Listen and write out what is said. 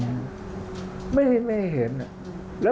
ภาคอีสานแห้งแรง